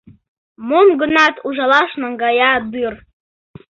Мом-гынат ужалаш наҥгая дыр.